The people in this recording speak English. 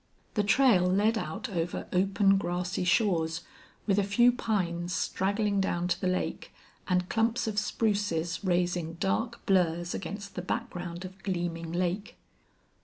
The trail led out over open grassy shores, with a few pines straggling down to the lake, and clumps of spruces raising dark blurs against the background of gleaming lake.